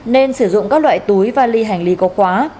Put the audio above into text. nên sử dụng các loại túi vali hành lý có khóa